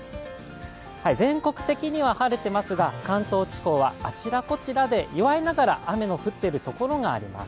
全国的には晴れていますが、関東地方ではあちらこちらで弱いながら雨の降っているところがあります。